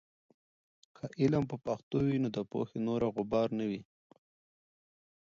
که علم په پښتو وي، نو د پوهې نوره غبار نه وي.